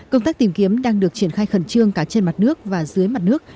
công tác tìm kiếm đang được triển khai khẩn trương cả trên mặt nước và dưới mặt nước